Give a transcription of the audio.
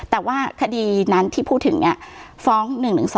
แต่ว่าคดีนั้นที่พูดถึงฟ้อง๑๑๒